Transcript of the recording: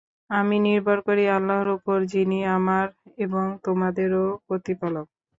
আমি নির্ভর করি আল্লাহর উপর, যিনি আমার এবং তোমাদেরও প্রতিপালক।